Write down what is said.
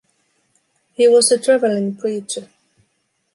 He was a travelling preacher.